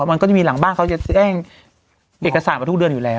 มันก็จะมีหลังบ้านเขาจะแจ้งเอกสารมาทุกเดือนอยู่แล้ว